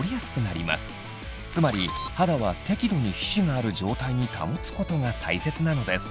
つまり肌は適度に皮脂がある状態に保つことが大切なのです。